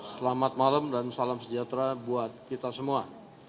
selamat malam dan salam sejahtera buat kita semua